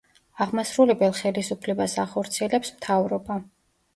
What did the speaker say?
აღმასრულებელ ხელისუფლებას ახორციელებს მთავრობა.